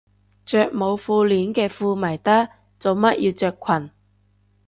着冇褲鏈嘅褲咪得，做乜要着裙